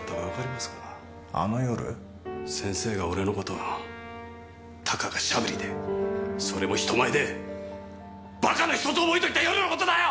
先生が俺の事をたかが「シャブリ」でそれも人前で「バカの一つ覚え」と言った夜の事だよ！！